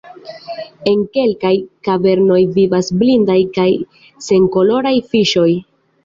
En kelkaj kavernoj vivas blindaj kaj senkoloraj fiŝoj.